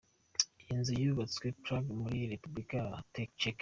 Iyi nzu yubatswe Prague muri République ya Tchèque.